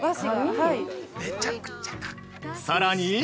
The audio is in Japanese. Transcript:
◆さらに。